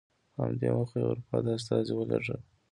په همدې موخه یې اروپا ته استازي ولېږل.